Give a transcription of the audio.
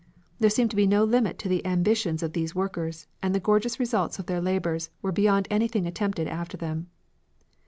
There seemed to be no limit to the ambitions of these workers, and the gorgeous results of their labours were beyond anything attempted after them.